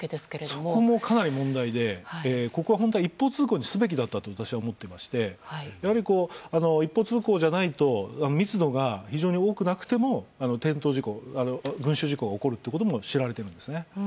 そこもかなり問題でここは本当は一方通行にすべきだったと私は思っていましてやはり、一方通行じゃないと密度が非常に多くなくても群衆事故が起こることも知られているんですね。